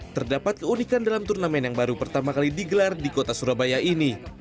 terdapat keunikan dalam turnamen yang baru pertama kali digelar di kota surabaya ini